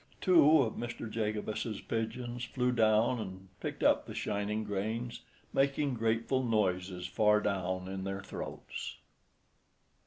Two of Mr. Jacobus's pigeons flew down and picked up the shining grains, making grateful noises far down in their throats.